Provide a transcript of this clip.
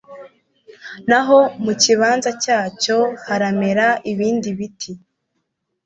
naho mu kibanza cyacyo haramera ibindi biti